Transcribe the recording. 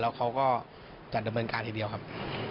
แล้วเขาก็จัดดำเนินการทีเดียวครับ